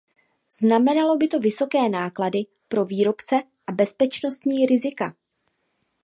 Znamenalo by to vysoké náklady pro výrobce a bezpečnostní rizika.